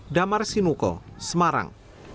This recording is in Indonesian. damar sinuko semarang